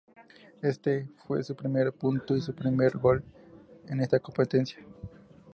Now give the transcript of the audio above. Este fue su primer punto y su primer gol en esta competencia.